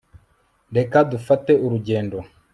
reka dufate urugendo